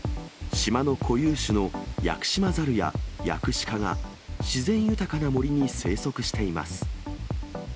島の固有種のヤクシマザルやヤクシカが、自然豊かな森に生息しています。